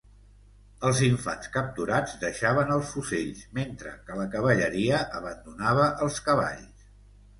Els infants capturats deixaven els fusells, mentre que la cavalleria abandonava els cavalls.